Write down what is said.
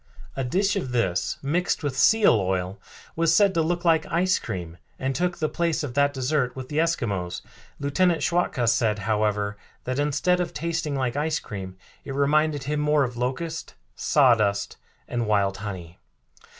A dish of this, mixed with seal oil, was said to look like ice cream and took the place of that dessert with the Eskimos. Lieutenant Schwatka said, however, that instead of tasting like ice cream it reminded him more of locust, sawdust and wild honey.